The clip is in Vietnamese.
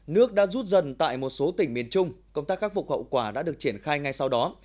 nước đã rút dần tại một số tỉnh miền trung công tác khắc phục hậu quả đã được triển khai ngay sau đó